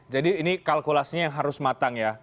jadi ini kalkulasinya yang harus matang ya